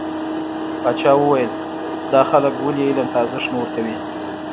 پاچا وويل: دا خلک ولې علم ته ارزښت نه ورکوي .